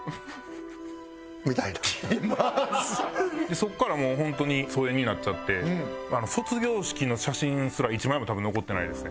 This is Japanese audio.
そこからもう本当に疎遠になっちゃって卒業式の写真すら１枚も多分残ってないですね。